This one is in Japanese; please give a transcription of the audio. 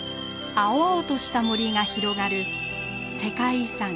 青々とした森が広がる世界遺産